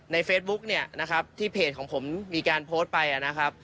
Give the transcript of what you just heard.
เฟซบุ๊กเนี่ยนะครับที่เพจของผมมีการโพสต์ไปนะครับ